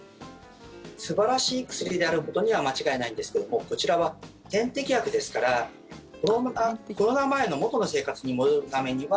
素晴らしい薬であることは間違いないんですけどもこちらは点滴薬ですからコロナ前の元の生活に戻るためには